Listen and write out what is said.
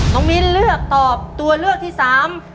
มิ้นเลือกตอบตัวเลือกที่สาม